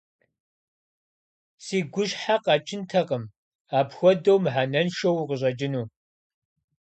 Си гущхьэ къэкӀынтэкъым, апхуэдэу мыхьэнэншэу укъыщӀэкӀыну.